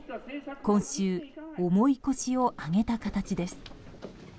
今週、重い腰を上げた形です。